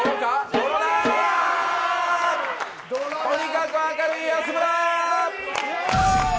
とにかく明るい安村。